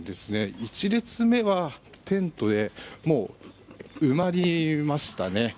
１列目はテントでもう埋まりましたね。